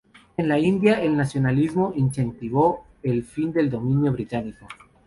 En la India, el nacionalismo incentivó el fin del dominio británico.